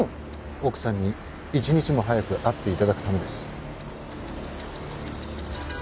奥さんに一日も早く会って頂くためです。